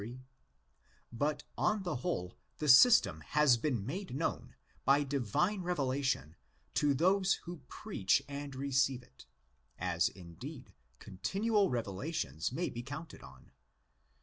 8); but, on the whole, the system has been made known by divine revelation to those who preach and receive it; as, indeed, continual revelations may be counted on (xii.